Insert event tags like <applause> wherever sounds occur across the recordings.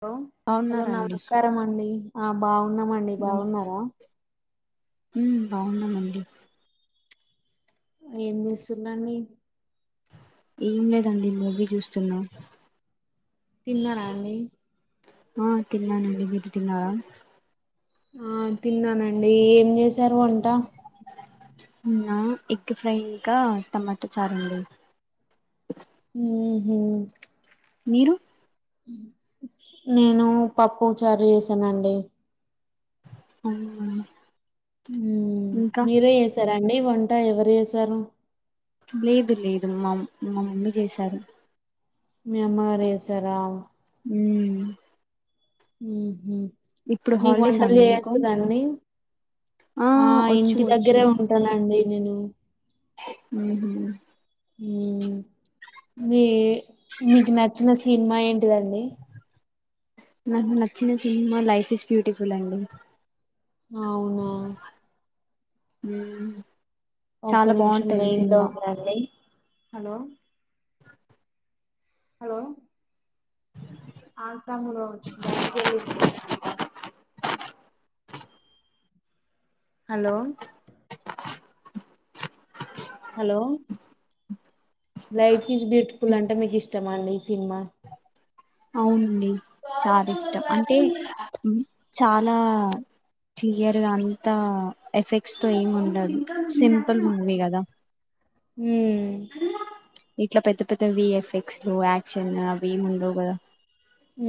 Hello hello బాగున్నారండి నమస్కార అండి ఆ బా ఉన్నామండి బాగున్నారా బాగున్నానండి ఏం విస్తున్నాని ఏం లేదండి మోీ చూస్తున్నాం తిన్నారా అండి ఆ తిన్నా నండి మీరు తిన్నాార ఆ తిన్నానండి ఏం చేసారు వంట ఉనా ఎగ్ ఫ్రై ఇంకా టమాటా చారండి హ హ మీరు నేను పప్పు చార చేసానండి అవు మీరే చేసారాండి వంట ట్టా ఎవరు చేసారు లేదు లేదు మా మా మమ్మీ చేశారు మీ అమ్మగారుేసార హ ఉ మీకు హాలిడేసా వంటలు అండి మీకు చేయస్తుందండి ఆ వచ్చు ఇంటి వచ్చు దగ్గరే ఉంటానండి న నేను ఉ మీ మీకు నచ్చిన సినిమా ఏంటిదండి నాకు నచ్చిన సినిమా లైఫ్ ఇస్ బ్యూటిఫుల్ అండి అవునా అ ఒక్క నిమిషం గయింద ఉండి హలో హలో అంతము బయటికి వె హలో హలో ైట్కిస్ బిట్ పులంటే మీకు ఇష్టమా అండి ఈ సినిమా అవును చాలా ఇష్టం అంటే చ అలా తీయరు అంతా ఎఫెక్ట్స్ తో ఏమి ఉండదు సింపుల్ మూవీ గదా అన్నా ఇట్లా పెద్ద పెద్ద వి ఎఫ్ ఎక్స్ లు యాక్షన్ అవి ఏమి ఉండవు కదా ఊ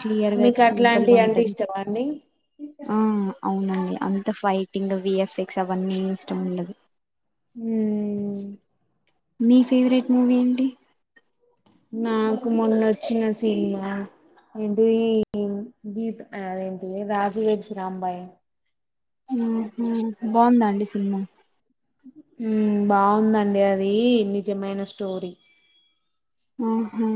క్లియర్గా సింపుల్గా ఉంటంది ఇష్టమా అండి ఆ అవునండి అంత fighting V F X తవన్నీ ఇష్టం ఉండదు మ్మ్ మీ ఫేవరెట్ మూవీ ఏంటి నాకు మొన్న వచ్చిన సినిమా ఏంటి గీత ఏంటి రాజువేడ్స్ రాంబాయి ఊహూ బావుందండి సిన్మా బావుందండి అది నిజమైన స్టోరీ ఆహా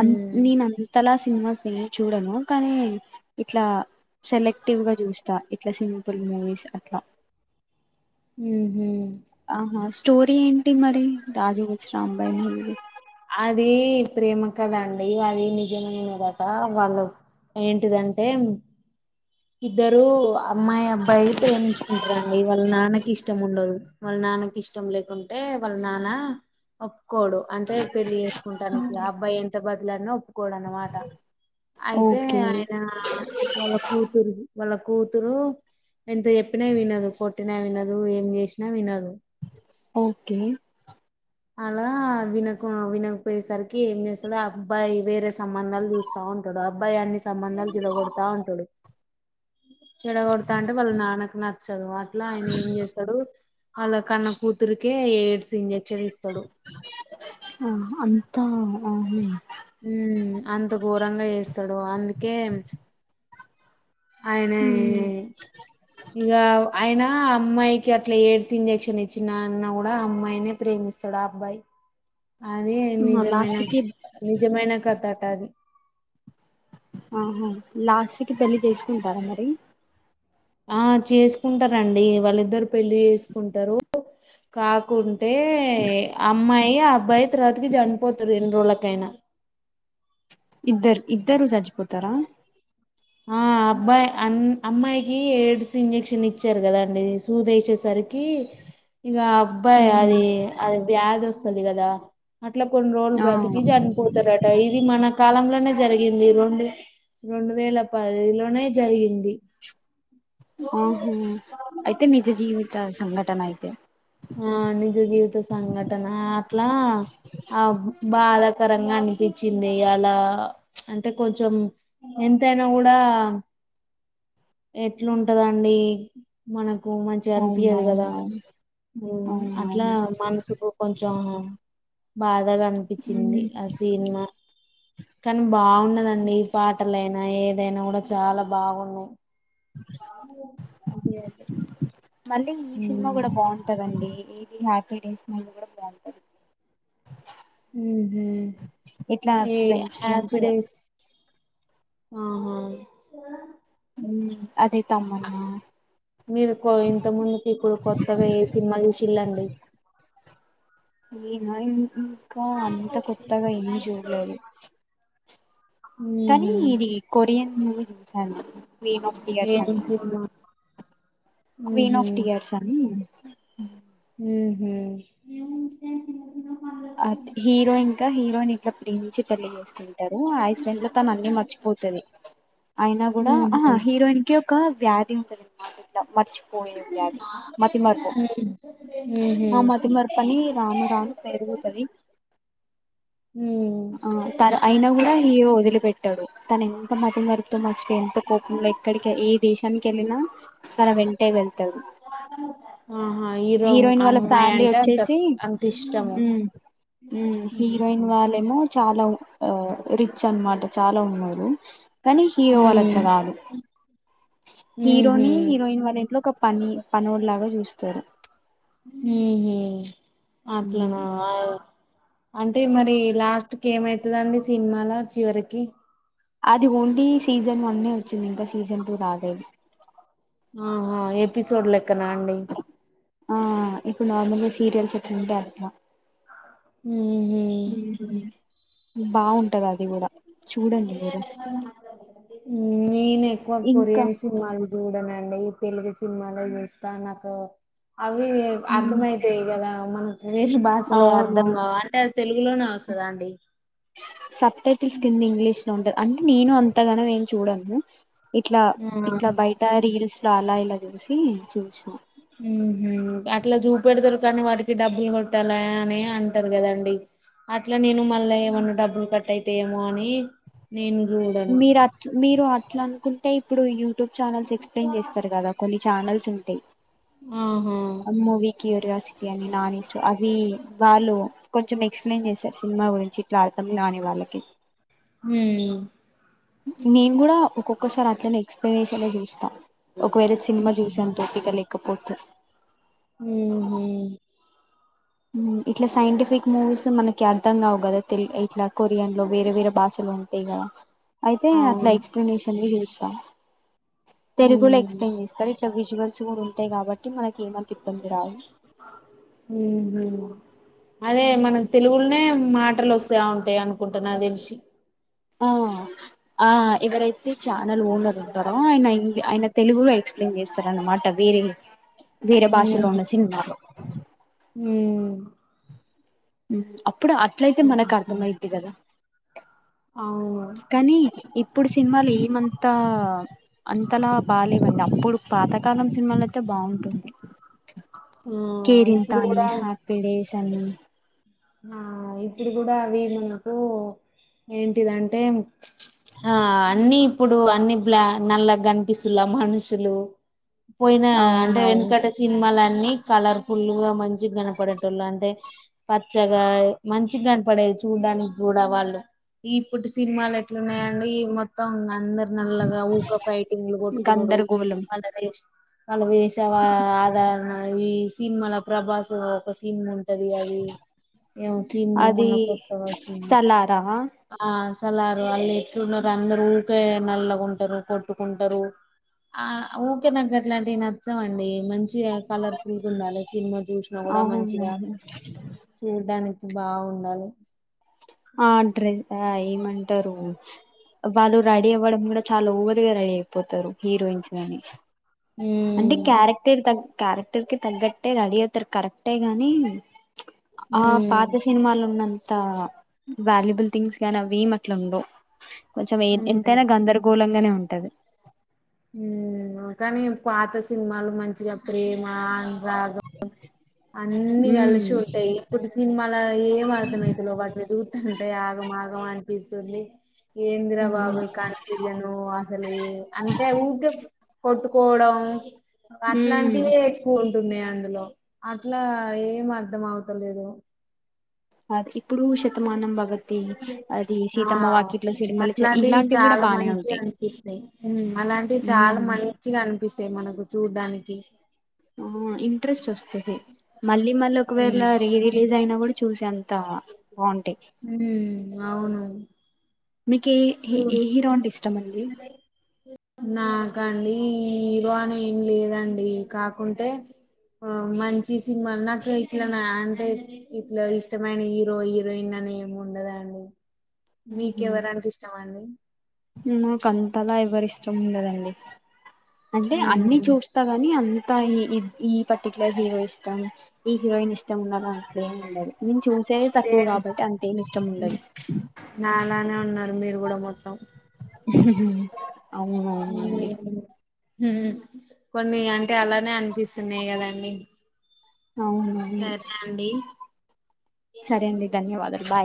అంత నేనంతలా ఆహా సినిమాస్ ఏ చూడను కానీ ఇట్లా సెలెక్టివ్ గా చూస్తా ఇట్లా సింపుల్ మూవీస్ అట్లా ఊహూ ఆహా స్టోరీ ఏంటి మరి రాజు వెడ్స్ రాంబాయి అదీ ప్రేమ కథండి అది నిజమైనదట వాళ్ళు ఏంటిదంటే ఇద్దరూ అమ్మాయి అబ్బాయి ప్రేమించుకుంటరండి వాళ్ళ నాన్నకి ఇష్టం ఉండదు వాళ్ళ నాన్నకి ఇష్ కొంచెం లేకుంటే వాళ్ళ నానా ఓ ఒప్పుకోడు అంటే పెళ్లి చేసుకుంటానికి ఆ అబ్బాయి ఎంత బతి ఎట్లన్నా ఒప్పుకోడ అన్నమాట అయితే ఓకే ఆయన వాళ్ళ వాళ్ళ కూతురు ఎంత చెప్పినా వినదు కొట్టినా వినదు ఏం చేసినా వినదు ఓకే అలా వినకు వినకపోయేసరికి ఏం చేస్తడు ఆ అబ్బాయి వేరే సంబంధాలు చూస్తా ఉంటడు ఆ అబ్బాయి అన్ని సంబంధాలు చెడగొడతా ఉంటడు చెడ గొడతా అంటే వాళ్ళ నాన్నకు నచ్చదు అట్లా ఆయన ఏం చేస్తడు అలా కన్న కూతురుకే ఎయిడ్స్ ఇంజె ఆహ్ అంతా ఆహా ఊ అంత ఘోరంగా చేస్తడు అందుకే ఆయనే మ్మ్ ఇగా ఆయన అమ్మాయికి అట్లా ఎయిడ్స్ ఇంజక్షన్ ఇచ్చిన అన్న కూడా అమ్మాయినే ప్రేమిస్తాడు ఆ అబ్బాయి. అది నిజమైన లాస్ట్ కి నిజమైన కథట అది ఆహా లాస్ట్ కి పెళ్లి చేసుకుంటారా మరి ఆ చేసుకుంటారంండి వాళ్ళిద్దరు పెళ్లి చేసుకుంటారు. కాకుండా ట అమ్మాయి అయ్య అబ్బాయి తర్వాతకి చండిపోతారు రెండు రోజులకైనా ఇద్దరు ఇద్దరు చజిపోతారా ఆ అబ్బాయి అ అమ్మాయికి ఎయిడ్స్ ఇంజక్షన్ ఇచ్చారు కదాండి సూదేసేసరికి ఇక అబ్బాయి మ్మ్ అది అది వ్యాధి వస్తుంది చలి కదా ఇట్లా కొన్ని రోజులు ఆ బ్రతికి చనిపోతారట ఇది మన కాలంలోనే జరిగింది రెండు రెండు వేల పదిలోనే జరిగింది ఆహ అయితే నిజ జీవిత సంగ ట్టన అయితే ఆ నిజ జీవిత సంఘటన అట్లా ఆ బాధాకరంగా అనిపించింది. అలా అంటే కొంచెం ఎంతైనా కూడా ఎట్లుంటదండి మనకు. కు మంచిగా అనిపించదు కదా అవునవునవును అట్లా అవునవును మనసుకు కొంచెం బస్ బగా అనిపించింది మ్మ్ ఆ సినిమా కానీ బాగున్నదండి ఈ పాటల ఏదైనా కూడా చాలా బాగున్నాయి అ అ <inaudible> మళ్ళీ ఈ సినిమా కూడా బాగుంటదండి ఇది హ్యాపీ డేస్ మళ కూడా బాగుంటంది ఏడే ఇట్లా ఫ్రెండ్స్ ఆ ఫ్రెండ్స్ అదే తమ్మున్నా మీరు ఇంత ముందుకి ఇప్పుడు కొత్తగా ఏ సినిమా చూసిల్ళండి ఏనా ఇంకా అంత కొత్తగా ఏం చూడలేదు కానీ ఊహు ఇది కొరియన్ స క్వీన్ ఆఫ్ టీయర్స్ ఏం అని సినిమా క్వీన్ ఊహు ఆఫ్ టీయర్స్ అనిీ <inaudible> ఉ అ హీరో ఇంకా హీరోయిన్ ఇట్లా దించి పెళ్లి ఎసుకుంటారు. ఆ ఐ స్క్రీన్లో తన అన్ని మర్చిపోతది. అయినా గూడా ఆ ఊహు హీరోయిన్ కి ఒక్ క వ్యాధి ఉంటది మాటిట్ల హు ఆ హూ మతిమరుపు అని రాను రాను పెరుగుతది ఆ తర అయినా గూడా హీరో వదిలిపెట్టాడు. తన ఎంత మతిమరపుతో మర్చిపే, ఎంత కోపంలో ఎక్కడికి ఏ దేశానికేళ్ళినా. తన వెం టె వెల్ ఆహా <unintelligible> హీరో హీరోయిన్ వాళ్ళ అమ్మాయి ఫ్యామిలీ అంటే అంత వచ్చేసి అంత ఇష్టము ఊ హీరోయిన్ వాళ్ మో చాలా ఉ ఆ రిచ్ అన్మాట చాలా ఉన్నారు కానీ హీరో వాళ్ళ అట్లా గాదు. ఊహు హీరోని హీరోయిన్ వాళ్ళ ఇంట్లో కప్ పని పనొడ్లాగా జూస్తారు మ్ హూ ఉమ్ అట్లానా అయ్వ్ అంటే మరి లాస్ట్క్ ఎమైతదండి సినిమాల చివరికి అది ఓన్లీ సీజన్ వన్నె వచ్చింది. ఇంకా సీజన్ టూ రలేదు. ఆహా ఎపిసోడ్ లెక్కనా అండి ఆ ఇప్పుడు నార్మల్గా సీరియల్స్ ఎట్లుంటాయ్ అట్లా హ్మ్ హు బావుంటది అది గూడా నేనేక్కువ ఇంకా కొరియన్ సినిమాలు జూడనండి తెలుగు సినిమాలే జూస్తా నాకు అవివి హ్మ్. అర్ధమైతయి గదా అవ్ మల్లా వేషా, భాసలు అవును అర్ధం గావు. అంటే అది తెలుగులోనే వస్సదాండి. సబ్ టైటిల్స్ మ్ కింద ఇంగ్లీష్ లో ఉంటద్. అన్నీ నేను అంతగానం ఏం చూడను ఇట్లా ఆ ఇట్లా బయట రీల్స్ లా అలా ఇలా జుసి చేస్నా మ్ హూ అట్లా చూపెడతరు కానీ వాటికి డబ్బులు కొట్టాలా అని అంటరు గదండి. అట్లా నేను మళ్ళా ఏమన్నా డబ్బులు కటైతై ఏమో అని నేను చూడను మీరు అట్ల్ మీరు అ ట్లా అనుకుంటే ఇప్పుడు యూ టుబ్ ఛానెల్స్ ఎక్స్ప్లయిన్ చేస్తారు గదా కొన్ని ఛానల్స్ ఉంటాయ్ ఆహా అమ్మ వికి రస్పి అనీ నాన్ ఈస్ట్ అవి వాళ్ళు కొంచెం మక్స్ ప్లైన్ జెశర్ సినిమా గురించి ట్లా అర్థంగానీ వాళ్ళకి హ నేను కూడా ఒక్కొక్కసారి అట్లనే ఎక్స్ప్లెయిన్ చేష చ చూషత ఒకవేళ సినిమా చూసా తోపిక లేకపోతు హ హ ఇట్లా సైంటిఫిక్ మూవీస్ మనకి అర్థం కావు కదా తె ఇట్లా కొరియన్ లో వేరే వేరే భాషలు ఉంటాయి కదా అయితే అట్లా అవును ఎక్స్ప్లెనేషన్ చూస్తా తెలుగులో ఎక్స్ప్లెయిన్ చేస్తారు ఇట్గు ఫస్ కూడా ఉంటాయి కాబట్టి మనకి కేమ తిప్పంది రావు ఉహు అదే మనకు తెలుగులోనే మాటలు వస్తే ఉంటాయి అనుకుంటున్నా తెలిసి ఆ ఆ ఎవరైతే ఛానల్ ఓనర్ ఉంటారో ఆయనంగ్ ఆయన తెలుగులో ఎక్స్ప్లెయిన్ చేస్తారనమాట వేరే వేరే భాషలో ఉన్న సినిమాలో ఉ అ ఇప్పుడు అట్లయితే మనకు అర్థమయద్ది కదా అవును కానీ ఇ అప్పుడు సినిమాలు ఏమంతా అంతలా బాగాేవండి అప్పుడు పాతకాలం సినిమాలు అయితే బాగుంటుంది ఆ కేరిన్ ఇప్పుడు తనిి కూడా హ్యాపీి డేస్ చన్న ఆ ఇప్పుడు కూడా అవి మనకు ఏంటిదంటే ఆ అన్నీ ఇప్పుడు అన్నిలా నల్ల కనిపిస్తులా మనుషులు పోయిన అంటే అవునవును వెనుకట సినిమాాల కలర్ఫుల్ గా మంచి కనపడేటళు అంటే ప మచ్చగా మంచిగా కనపడేది చూడ్డానికి కూడా వాళ్ళు ఇప్పుడు సినిమాలు ఎట్లున్నాయండి మొత్తం అందరు నల్లగా ఊగా ఫైటింగ్లు కొట్టుకునుడు గందరగోళం మళ్ళ వాళ్ళ వేష ఆదరణ ఈ సినిమాల ప్రభాస్ ఒక సీన్ ఉంటది అది ఏ సినిమా అది మొన్న కొత్త వచ్చిన సలారా ఆ సలారు అదే ఎట్లున్నారు అందరు ఊకే నల్లగుంటారు కొట్టుకుంటారు ఆ ఊకే నగ్గట్లాంటివి నచ్చవండి మంచి మంచిగా కలర్ఫుల్గా ఉండాలి సినిమా చూసినా కూడా మంచిగా అవునండి చడ్డానికి బాగుండాలి ఆ డ్రెస్ ఏమంటారు వాళ్ళు రెడీ అవ్వడం కూడా చాలా ఓవర్ గా రెడీ అయిపోతారు హీరోయిన్స్ గాని అంటే ఉమ్ క్యారెక్టర్ తగ క్యారెక్టర్ కి తగ్గట్టే రెడీ అవుతారు కరెక్టే గాని ఆ ఉమ్ పాత సినిమాలు ఉన్నా అ వాల్యుబుల్ థింగ్స్ గానీ అవి ఏం అట్లా ఉంండవు కొంచెం ఏ ఉమ్ ఎంతైనా గందరగోళంగానే ఉంటుంది ఉంటది ఉ కానీ పాత సినిమాలు మంచిగా ప్రేమ అనురాగం అన్ని కలిసి ఉట్టాయి ఇప్పుడు సినిమాల ఏం అర్థమైతలే వాటినీ చూస్తుంటే ఆగమాగం అంట పిస్తుంది ఎంద్రా బాబు అవును ఈ కన్ఫ్యూజను అసలు అంటే ఊకే కొట్టుకోవడం ఉమ్ అట్లాంటివి ఎక్కువ ఉన్నాయి అందులో అట్లా ఏం అర్ధం అవతలేదు అది ఇప్పుడు శతమానం భవతి అది ఆ సీతమ్మ వాకిట్లో సిరిమల్లె చె అట్లాంటివి ఇలాంటివి కూడా చాలా బానే మంచిగా ఉంటాయి అనిపిస్తాయి అలాంటివి చాలా ఉమ్ మంచిగా అనిపిస్తాయి మనకు చూడ్డాని టి ఆ ఇంట్రెస్ట్ వస్తుది మళ్ళీ మళ్ళీ ఒకవేళ రీ రిలీజ్ అయినా కూడా చూసే అంత బాగుంటాయి హ అవును మీకి ఏ ఏ హిరో అంటే ఇష్ట నా అండి హీరో అని ఏం లేదండి కాకుంటే ఆ మంచి సినిమాలు నాకు ఇట్లా నా అంటే ఇట్లా ఇష్టమైన హీరో హీరోయిన్ అని ఏమి ఉండదండి మీకు ఎవరంటే ఇష్టం అండి నాకు అంతలా ఎవరి ఇష్టం ఉండదండి అంటే అన్ని ఉమ్, చూస్తా కాని అ ఈ ఈ పర్టికులర్ హీరో ఇష్టం ఈ హీరోయిన్ ఇష్టం ఉన్నలా ఏం ఉండదు నేను చూసేది తక్కువ సేమ్ కాబట్టి అంతేమి ఇష్టం ఉండదు ఉమ్, నాలానే ఉన్నారు మీరు కూడా మొత్తం అవును అవును అండి ఉమ్, కొన్ని అంటే అలానే అనిపిస్తున్నాయి కదా అండి అవును అవును సరే అండి ధన్యవాదాలు బయ్